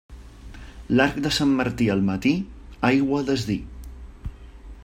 L'arc de Sant Martí al matí, aigua a desdir.